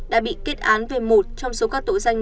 đã bị kết án về một trong số các tội danh